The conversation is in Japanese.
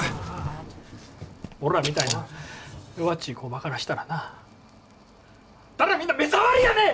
俺らみたいな弱っちい工場からしたらなあんたらみんな目障りやねん！